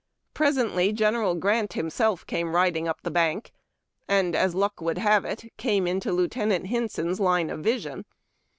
Presently General Grant himself came riding up the bank, and, as luck would have it, came into Lieutenant Hinson's line of vision.